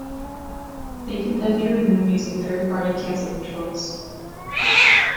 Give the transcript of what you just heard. They can then be removed using third party cancel controls.